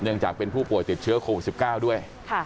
จากเป็นผู้ป่วยติดเชื้อโควิด๑๙ด้วย